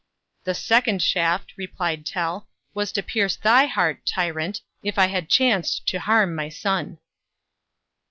"The second shaft," replied Tell, "was to pierce thy heart, tyrant, if I had chanced to harm my son."